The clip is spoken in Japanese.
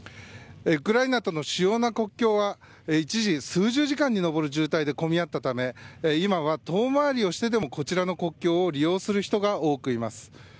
ウクライナとの主要な国境は一時、数十時間に上る渋滞で混み合ったため今は遠回りをしてでもこちらの国境を利用する人が多くいます。